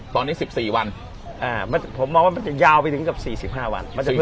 ตอนนี้๑๔วันผมมองว่ามันจะยาวไปถึงกับ๔๕วัน